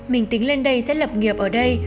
mình tính lên đây sẽ lập nghiệp ở đây